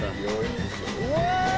うわ！